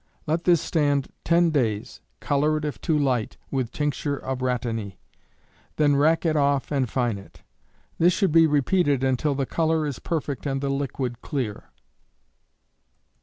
Let this stand ten days; color if too light, with tincture of rhatany, then rack it off and fine it. This should be repeated until the color is perfect and the liquid clear.